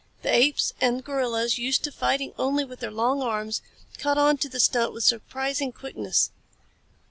The apes, and gorillas, used to fighting only with their long arms, caught on to the stunt with surprising quickness.